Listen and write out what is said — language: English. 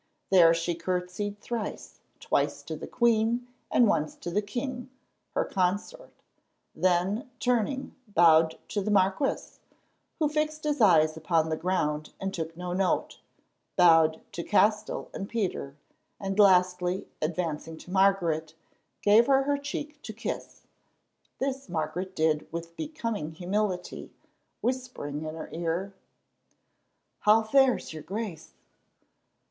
There she curtseyed thrice, twice to the queen, and once to the king, her consort; then, turning, bowed to the marquis, who fixed his eyes upon the ground and took no note, bowed to Castell and Peter, and lastly, advancing to Margaret, gave her her cheek to kiss. This Margaret did with becoming humility, whispering in her ear: "How fares your Grace?"